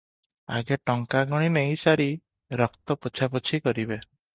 ଆଗେ ଟଙ୍କା ଗଣିନେଇ ସାରି ରକ୍ତ ପୋଛାପୋଛି କରିବେ ।